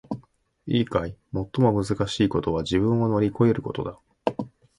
いいかい！最もむずかしいことは自分を乗り越えることだ！